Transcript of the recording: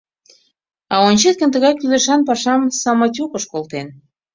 А ончет гын тыгай кӱлешан пашам самотёкыш колтен.